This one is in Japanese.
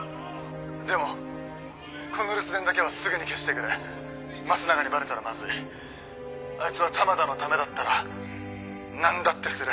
「でもこの留守電だけはすぐに消してくれ」「益永にバレたらまずい」「あいつは玉田のためだったらなんだってする」